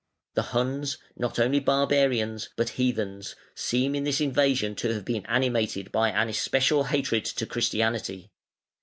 The Huns, not only barbarians, but heathens, seem in this invasion to have been animated by an especial hatred to Christianity.